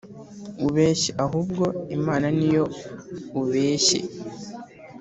ubeshye ahubwo Imana ni yo ubeshye